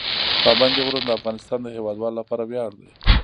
پابندی غرونه د افغانستان د هیوادوالو لپاره ویاړ دی.